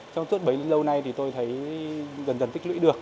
trong suốt bấy lâu nay thì tôi thấy dần dần tích lũy được